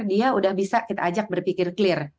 dia udah bisa kita ajak berpikir clear